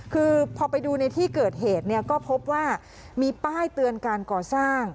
คือพอไปดูในที่เกิดเหตุเนี่ยก็พบว่ามีป้ายเตือนการก่อสร้าง